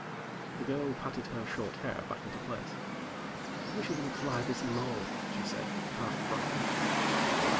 The girl patted her short hair back into place. "I wish you wouldn't fly this low," she said, half frightened.